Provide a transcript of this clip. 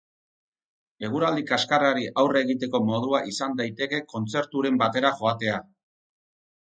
Eguraldi kaskarrari aurre egiteko modua izan daiteke kontzerturen batera joatea.